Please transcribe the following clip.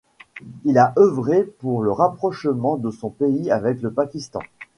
Il a œuvré pour le rapprochement de son pays avec le Pakistan.